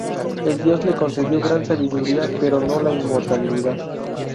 El dios le concedió gran sabiduría, pero no la inmortalidad.